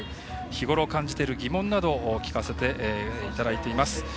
日頃感じている疑問などを聴かせていただいています。